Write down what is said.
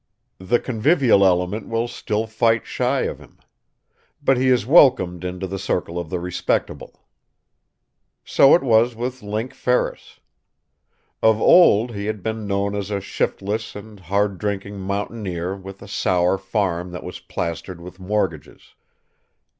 The convivial element will still fight shy of him. But he is welcomed into the circle of the respectable. So it was with Link Ferris. Of old he had been known as a shiftless and harddrinking mountaineer with a sour farm that was plastered with mortgages.